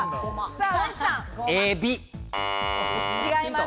違います。